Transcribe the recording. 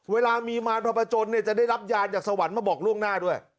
เวลามีมารพระประจนเนี่ยจะได้รับญาติจากสวรรค์มาบอกล่วงหน้าด้วย